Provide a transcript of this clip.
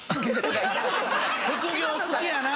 副業好きやな！